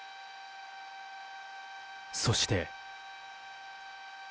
そして。